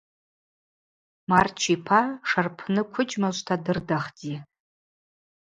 Марчипа шарпны квыджьмажвта дырдахди.